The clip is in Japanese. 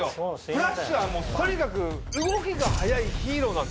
フラッシュはとにかく動きが速いヒーローなんです。